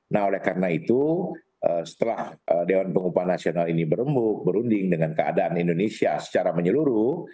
nah oleh karena itu setelah dewan pengupahan nasional ini berunding dengan keadaan indonesia secara menyeluruh